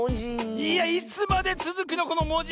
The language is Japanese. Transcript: いやいつまでつづくのこのもじもじがっせん！